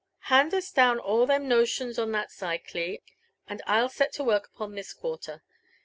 '' Hand us down all them notions on that side, Oli— and Til set to work upon this quarter.